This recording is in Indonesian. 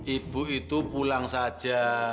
ibu itu pulang saja